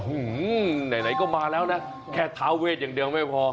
ไหนก็มาแล้วนะแค่ท้าเวทอย่างเดียวไม่พอ